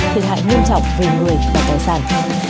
thiệt hại nguyên trọng về người và tòa sản